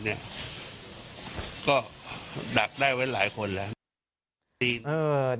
ก็ดักได้ไว้หลายคนแล้ว